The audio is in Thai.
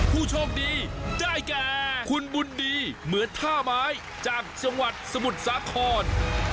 ผู้โชคดีได้แก่คุณบุญดีเหมือนท่าไม้จากจังหวัดสมุทรสาคร